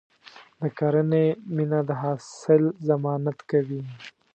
د کرنې مینه د حاصل ضمانت کوي.